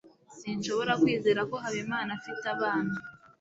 sinshobora kwizera ko habimana afite abana